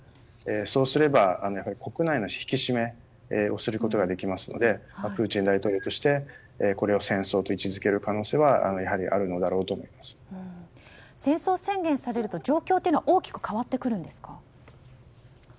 そうすれば国内の引き締めをすることができますのでプーチン大統領としてはこれを戦争と位置付ける可能性は戦争宣言されると状況は大きく変わってくるんですか？